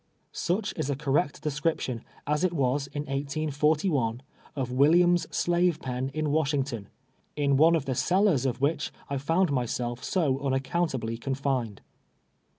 Such is a correct description as it was in 1811, of Williams' slave pen in Washington, in one of the cel lars of which I fonnd myself so nnaccountal>ly con lined.